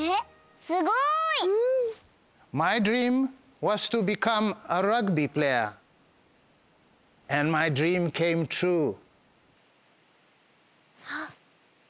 すごい！あっ。